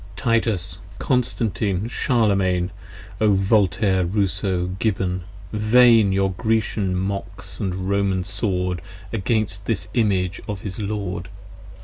60 7s Titus! Constantine! Charlemaine! O Voltaire! Rousseau! Gibbon! Vain Your Grecian Mocks & Roman Sword Against this image of his Lord!